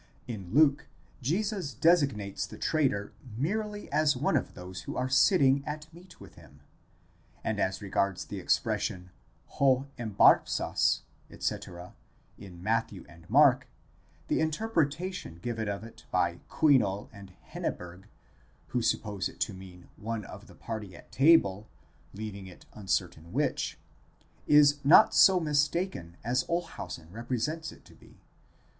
In Luke, Jesus designates the traitor merely as one of those who are sitting at meat with him; and as regards the expres sion 6 ἐμβάψας x. τ. A. in Matthew and Mark, the interpretation given of it by Kuinol and Henneberg,® who suppose it to mean one of the party at table, leaving it uncertain which, is not so mistaken as Olshausen represents it to be.